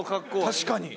確かに。